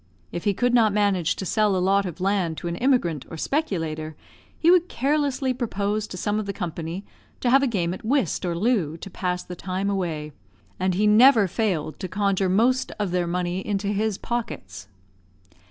If he could not manage to sell a lot of land to an immigrant or speculator, he would carelessly propose to some of the company to have a game at whist or loo, to pass the time away; and he never failed to conjure most of their money into his pockets.